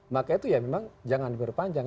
maka itu ya memang jangan diperpanjang